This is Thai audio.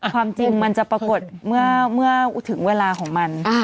ความจริงมันจะปรากฏเมื่อถึงเวลาของมัน